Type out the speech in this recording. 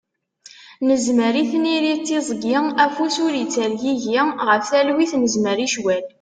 Nezmer i tniri d tiẓgi, afus ur ittergigi, ɣef talwit nezmer i ccwal.